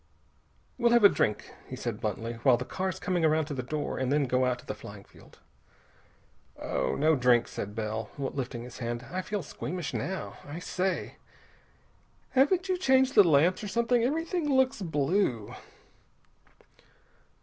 "We'll have a drink," he said bluntly, "while the car's coming around to the door, and then go out to the flying field." "No drink," said Bell, lifting his hand. "I feel squeamish now. I say! Haven't you changed the lamps, or something? Everything looks blue...."